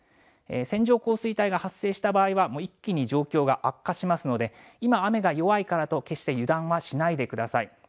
線状降水帯が発生した場合はもう一気に状況が悪化しますので今、雨が弱いからと決して油断はしないでください。